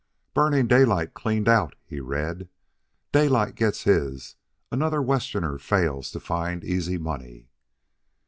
BURNING DAYLIGHT CLEANED OUT, he read; DAYLIGHT GETS HIS; ANOTHER WESTERNER FAILS TO FIND EASY MONEY.